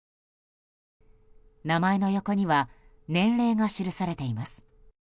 名前の横には年齢が記されています。